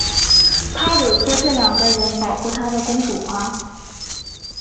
她委托这两个人保护她的公主花。